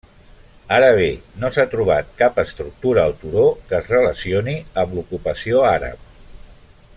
Ara bé, no s'ha trobat cap estructura al turó que es relacioni amb l'ocupació àrab.